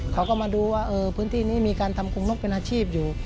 เขาก็มาดูว่าพื้นที่นี้มีการทำคงนกเป็นอาชีพอยู่